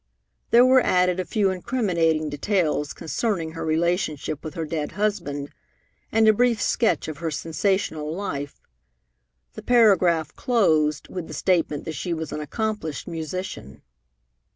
There were added a few incriminating details concerning her relationship with her dead husband, and a brief sketch of her sensational life. The paragraph closed with the statement that she was an accomplished musician.